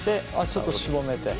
ちょっとすぼめて。